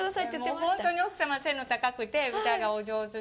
本当に奥様、背が高くて、歌がお上手で。